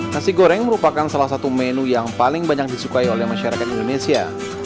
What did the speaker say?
nasi goreng merupakan salah satu menu yang paling banyak disukai oleh masyarakat indonesia